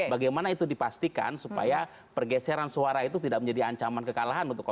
bagaimana itu dipastikan supaya pergeseran suara itu tidak menjadi ancaman kekalahan